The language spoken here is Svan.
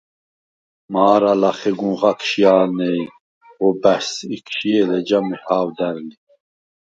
მა̄რა ლახე გუნ ხა̈ქშჲა̄ლვნე ი ვო̄ბა̈შს იქშჲე̄ლ, ეჯა მეჰა̄ვდა̈რ ლი.